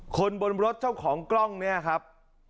คนบนรถเจ้าของกล้องเนี่ยครับ